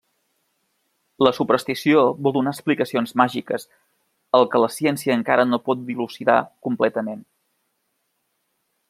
La superstició vol donar explicacions màgiques al que la ciència encara no pot dilucidar completament.